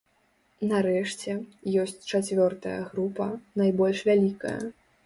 Нарэшце, ёсць чацвёртая група, найбольш вялікая.